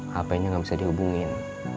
hpnya gak bisa dihubungin